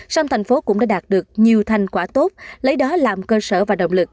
xong tp hcm cũng đã đạt được nhiều thành quả tốt lấy đó làm cơ sở và động lực